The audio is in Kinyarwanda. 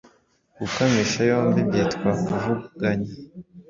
Gukamisha yombi byitwa Kuvuruganya